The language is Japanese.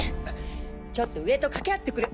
ちょっと上と掛け合ってくる。